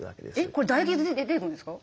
これ唾液出てくるんですか？